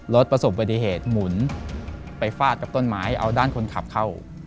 ประสบปฏิเหตุหมุนไปฟาดกับต้นไม้เอาด้านคนขับเข้า